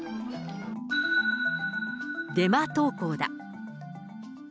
デマ投稿だ。